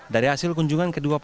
dari hasil kunjungan kedua pasangan